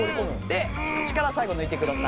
で力最後抜いてください。